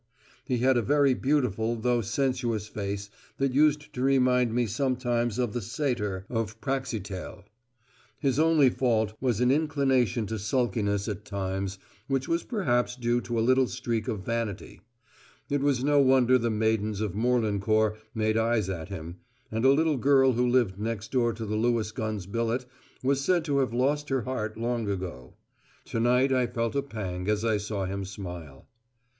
He had a very beautiful though sensuous face that used to remind me sometimes of the "Satyr" of Praxiteles. His only fault was an inclination to sulkiness at times, which was perhaps due to a little streak of vanity. It was no wonder the maidens of Morlancourt made eyes at him, and a little girl who lived next door to the Lewis gunner's billet was said to have lost her heart long ago. To night I felt a pang as I saw him smile.